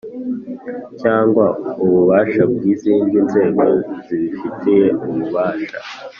cyangwa ububasha bw izindi nzego zibifitiye ububasha